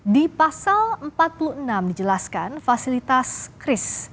di pasal empat puluh enam dijelaskan fasilitas kris